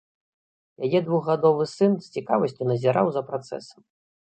Яе двухгадовы сын з цікавасцю назіраў за працэсам.